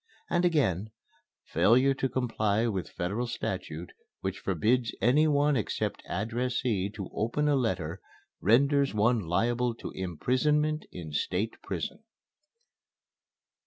And again: "Failure to comply with Federal Statute which forbids any one except addressee to open a letter renders one liable to imprisonment in State Prison."